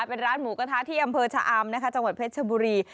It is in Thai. เป็นร้านหมูกระทะที่อำเภอชะอำนะคะจังหวัดเพชรชบุรี